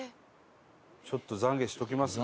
ちょっと懺悔しときますか